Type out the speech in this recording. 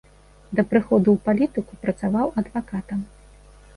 Да прыходу ў палітыку працаваў адвакатам.